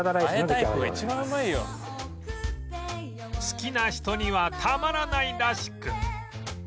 好きな人にはたまらないらしく